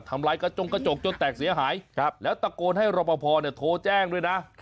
ทำร้ายกระจงกระจกจนแตกเสียหายแล้วตะโกนให้รอปภโทรแจ้งด้วยนะ